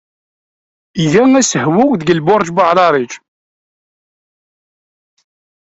Iga asehwu deg Lbuṛj Buɛṛiṛij.